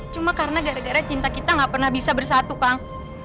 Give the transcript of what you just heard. cuma karena gara gara cinta kita gak pernah bisa bersatu kang